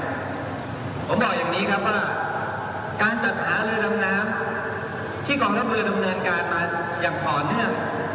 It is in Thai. ผมบอกอย่างนี้ครับว่าการจัดหาเรือดำน้ำที่กองทัพเรือดำเนินการมาอย่างต่อเนื่อง